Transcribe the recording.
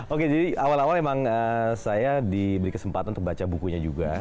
oke jadi awal awal emang saya diberi kesempatan untuk baca bukunya juga